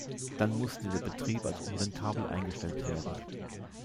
Dann musste der Betrieb als unrentabel eingestellt werden.